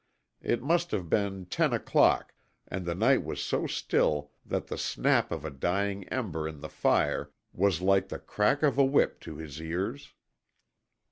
It must have been ten o'clock, and the night was so still that the snap of a dying ember in the fire was like the crack of a whip to his ears.